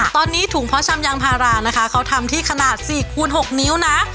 ตอนนี้ถุงเพาะชำยางพารานะคะเขาทำที่ขนาด๔คูณ๖นิ้วนะ